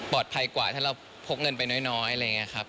กว่าถ้าเราพกเงินไปน้อยอะไรอย่างนี้ครับ